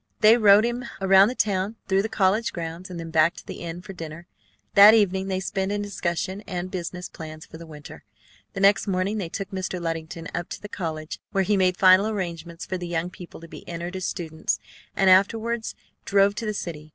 They rode him around the town, through the college grounds, and then back to the inn for dinner. That evening they spent in discussion and business plans for the winter. The next morning they took Mr. Luddington up to the college, where he made final arrangements for the young people to be entered as students, and afterwards drove to the city.